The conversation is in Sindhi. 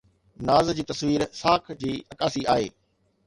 ناز جي تصوير ساک جي عڪاسي آهي